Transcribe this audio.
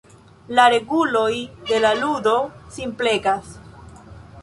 La reguloj de la ludo simplegas.